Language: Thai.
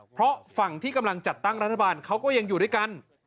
เพราะฝั่งที่กำลังจัดตั้งรัฐบาลเขาก็ยังอยู่ด้วยกัน